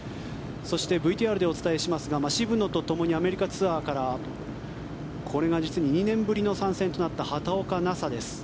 そして、ＶＴＲでお伝えしますが渋野とともにアメリカツアーからこれが実に２年ぶりの参戦となった畑岡奈紗です。